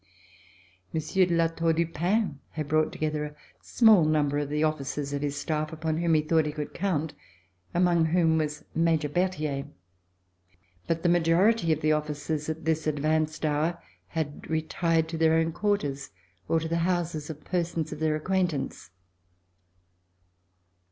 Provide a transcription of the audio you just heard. Monsieur de La Tour du Pin had brought together a small number of the officers of his staff, upon whom he thought he could count, among whom was Major Berthier. But the majority of the officers at this advanced hour had retired to their own quarters or to the houses of persons of their acquaintance.